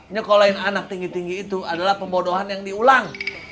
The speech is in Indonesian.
nyekolahin anak tinggi tinggi itu adalah pembodohan yang diulang